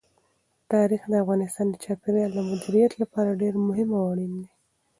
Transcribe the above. تاریخ د افغانستان د چاپیریال د مدیریت لپاره ډېر مهم او اړین دي.